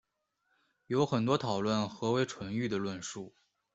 有很多讨论何为纯育的论述。